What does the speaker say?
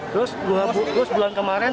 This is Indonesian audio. terus bulan kemarin satu ratus dua puluh sembilan